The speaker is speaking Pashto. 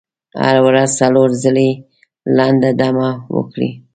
هره ورځ څلور ځلې لنډه دمه وکړئ.